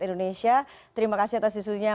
indonesia terima kasih atas isunya